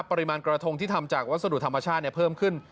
ปริมาณกระทงที่ทำจากวัสดุธรรมชาติเพิ่มขึ้น